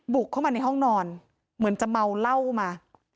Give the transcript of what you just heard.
บุกเข้ามาในห้องนอนเหมือนจะเมาเหล้ามา